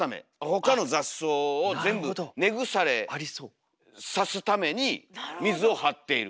ほかの雑草を全部根腐れさすために水を張っている。